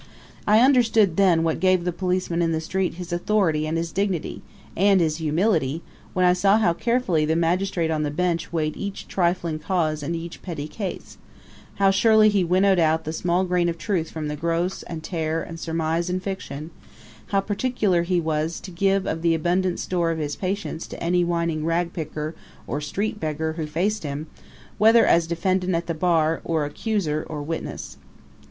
I understood then what gave the policeman in the street his authority and his dignity and his humility when I saw how carefully the magistrate on the bench weighed each trifling cause and each petty case; how surely he winnowed out the small grain of truth from the gross and tare of surmise and fiction; how particular he was to give of the abundant store of his patience to any whining ragpicker or street beggar who faced him, whether as defendant at the bar, or accuser, or witness.